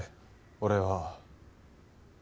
俺は。